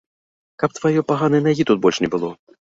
Каб тваёй паганай нагі тут больш не было!